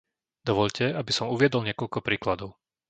Dovoľte, aby som uviedol niekoľko príkladov.